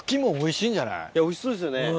おいしそうですよね